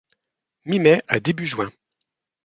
Mi-mai à début juin.